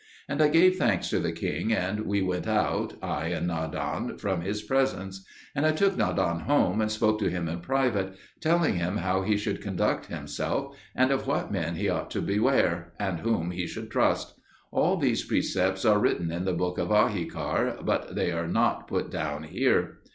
And I gave thanks to the king, and we went out, I and Nadan, from his presence. And I took Nadan home and spoke to him in private, telling him how he should conduct himself, and of what men he ought to beware, and whom he should trust. All these precepts are written in the book of Ahikar, but they are not put down here.